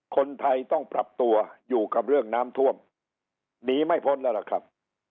คนไทยต้องปรับตัวอยู่กับเรื่องน้ำท่วมหนีไม่พ้นแล้วล่ะครับ